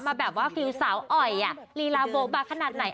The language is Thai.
มาแบบว่าฟิลสาวอ่อยลีลาโบบาขนาดไหน